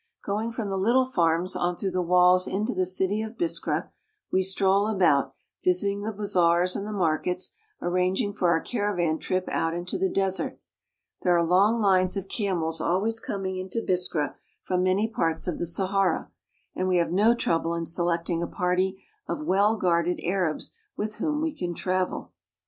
Going from the little farms on through the walls into the city of Biskra, we stroll about, visiting the bazaars and the markets, arranging for our caravan trip out into the desert. There are long lines of camels always coming into Biskra from many parts of the Sahara, and we have no trouble in selecting a party of well guarded Arabs with whom we can travel.